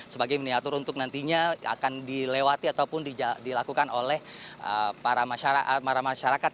sebagai miniatur untuk nantinya akan dilewati ataupun dilakukan oleh para masyarakat